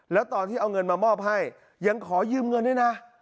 แล้วตอนที่เอาเงินมามอบให้ยังขอยืมเงินด้วยนะ